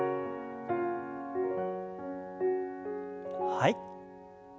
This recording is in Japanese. はい。